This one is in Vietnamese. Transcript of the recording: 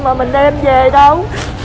mà mình đem về đâu